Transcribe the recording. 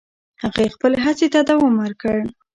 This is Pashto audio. هغې خپل هڅې ته دوام ورکړ.